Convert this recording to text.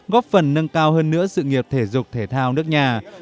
góp phần nâng cao hơn nữa sự nghiệp thể dục thể thao nước nhà